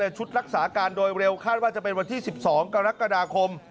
ชุดรักษาการโดยเร็วคาดว่าจะเป็นวันที่๑๒กรกฎาคม